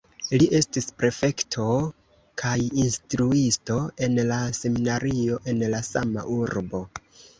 Li estis prefekto kaj instruisto en la seminario en la sama urbo.